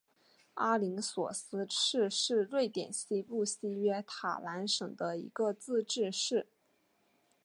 阿灵索斯市是瑞典西部西约塔兰省的一个自治市。